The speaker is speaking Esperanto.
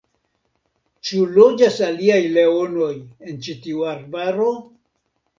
Ĉu loĝas aliaj leonoj en ĉi tiu arbaro?